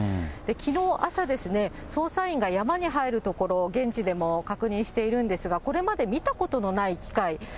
きのう朝ですね、捜査員が山に入るところを、現地でも確認しているんですが、これまで見たことのない機械。